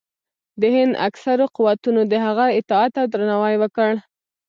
د هند اکثرو قوتونو د هغه اطاعت او درناوی وکړ.